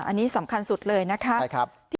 อันนี้สำคัญสุดเลยนะคะ